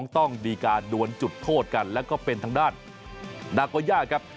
ต้องดีการดวนจุดโทษกันแล้วก็เป็นทางด้านนาโกย่าครับ